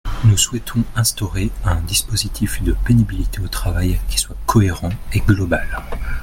Nous souhaitons instaurer un dispositif de pénibilité au travail qui soit cohérent et global.